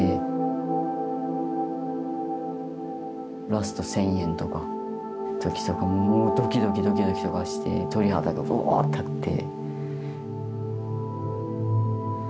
ラスト１，０００円とか時とかもうドキドキドキドキとかして鳥肌がブワー立って。